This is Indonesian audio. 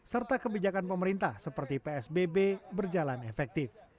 serta kebijakan pemerintah seperti psbb berjalan efektif